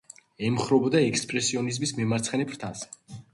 ემხრობოდა ექსპრესიონიზმის მემარცხენე ფრთას.